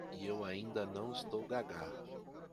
Eu ainda não estou gagá!